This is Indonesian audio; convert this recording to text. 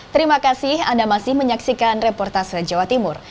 terima kasih anda masih menyaksikan reportase jawa timur